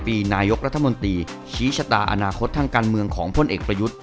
ปีนายกรัฐมนตรีชี้ชะตาอนาคตทางการเมืองของพลเอกประยุทธ์